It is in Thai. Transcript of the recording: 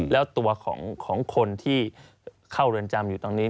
แล้วตัวของคนที่เข้าเรือนจำอยู่ตรงนี้